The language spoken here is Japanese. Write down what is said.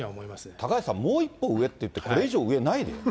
高橋さん、もう一歩上って、これ以上上ないよ。